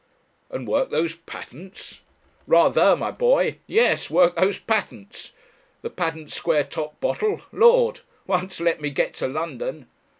"And work those patents?" "Rather, my boy. Yes. Work those patents. The Patent Square Top Bottle! Lord! Once let me get to London...."